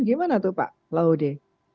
gimana tuh pak laude